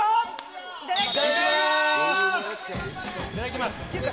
いただきます。